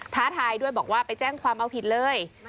ท้าทายด้วยบอกว่าไปแจ้งความเอาผิดเลย